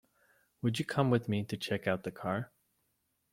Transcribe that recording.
Would you come with me to check out the car?